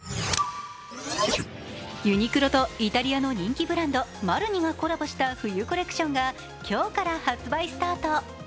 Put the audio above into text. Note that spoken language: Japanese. ユニクロとイタリアの人気ブランド・マルニがコラボした冬コレクションが今日から発売スタート。